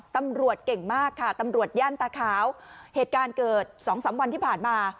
ตำรวจเก่งมากค่ะตำรวจย่านตาขาวเหตุการณ์เกิดสองสามวันที่ผ่านมา